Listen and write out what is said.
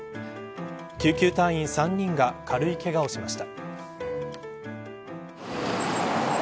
救急隊員３人が軽いけがをしました。